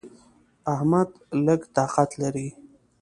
احمد لږ طاقت لري.